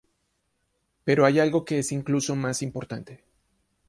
Pero hay algo que es incluso más importante.